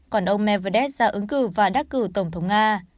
còn ông medvedev ra ứng cử và đắc cử tổng thống nga